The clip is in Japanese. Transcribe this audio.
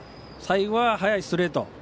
最後は速いストレート。